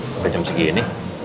sampai jam segini